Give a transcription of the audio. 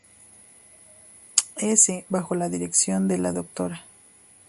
S"" bajo la dirección de la Dra.